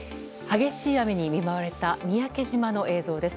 激しい雨に見舞われた三宅島の映像です。